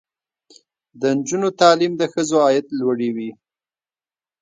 د نجونو تعلیم د ښځو عاید لوړوي.